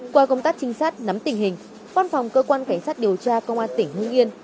qua công tác trinh sát nắm tình hình văn phòng cơ quan cảnh sát điều tra công an tỉnh hưng yên